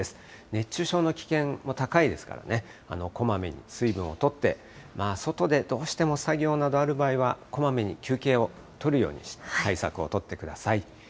熱中症の危険も高いですからね、こまめに水分をとって、外でどうしても作業などある場合は、こまめに休憩をとるように対策を取ってください。